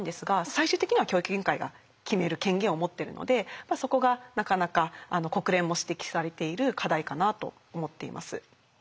最終的には教育委員会が決める権限を持っているのでそこがなかなか国連も指摘されている課題かなと思っています。